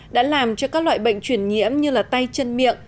đã làm cho các loại bệnh chuyển nhiễm như tay chân miệng